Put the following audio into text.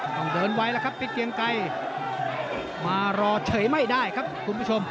ต้องเดินไว้แล้วครับเพชรเกียงไกรมารอเฉยไม่ได้ครับคุณผู้ชม